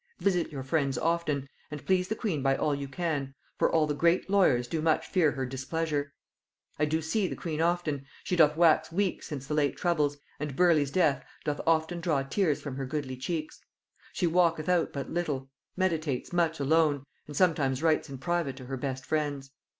Visit your friends often, and please the queen by all you can, for all the great lawyers do much fear her displeasure.... I do see the queen often, she doth wax weak since the late troubles, and Burleigh's death doth often draw tears from her goodly cheeks; she walketh out but little, meditates much alone, and sometimes writes in private to her best friends.